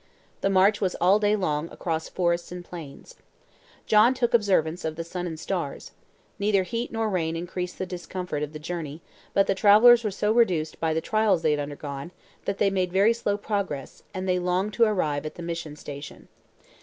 The march was all day long across forests and plains. John took observations of the sun and stars. Neither heat nor rain increased the discomfort of the journey, but the travelers were so reduced by the trials they had undergone, that they made very slow progress; and they longed to arrive at the mission station.